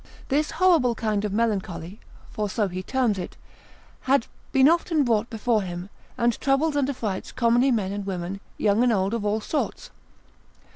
This horrible kind of melancholy (for so he terms it) had been often brought before him, and troubles and affrights commonly men and women, young and old of all sorts.